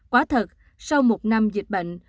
quả thật sau một năm dịch bệnh